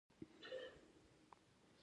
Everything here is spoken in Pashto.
اسمايي غر ولې داسې نوم لري؟